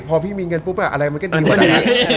พอพี่เกิดเงินอาจจะดีกว่าดาย